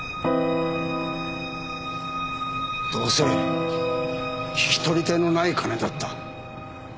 どうせ引き取り手のない金だった。